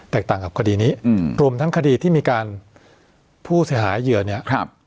ต่างกับคดีนี้อืมรวมทั้งคดีที่มีการผู้เสียหายเหยื่อเนี่ยครับ